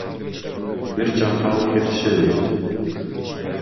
Бир жакка алып кетишеби?